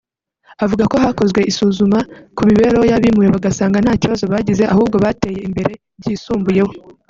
avuga ko hakozwe isuzuma ku mibereho y’abimuwe bagasanga nta kibazo bagize ahubwo bateye imbere byisumbuyeho